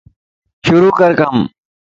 شروع ڪر ڪم